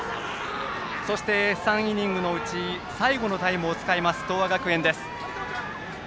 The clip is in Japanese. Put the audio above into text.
そして３イニングのうち最後のタイムを使う東亜学園。